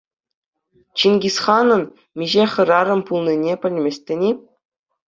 Чингисханӑн миҫе хӗрарӑм пулнине пӗлместӗн-и?